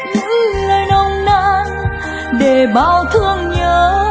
những lời nồng năng để bao thương nhớ